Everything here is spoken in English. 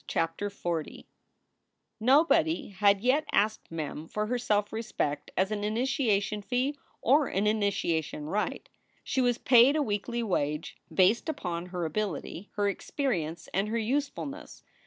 CHAPTER XL NOBODY had yet asked Mem for her self respect as an initiation fee or an initiation rite. She was paid a weekly wage based upon her ability, her experience, and her usefulness.